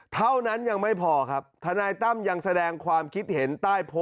เท่านั้นยังไม่พอครับทนายตั้มยังแสดงความคิดเห็นใต้โพสต์